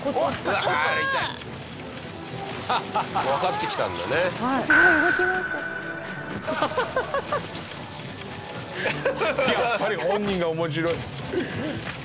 やっぱり本人が面白い。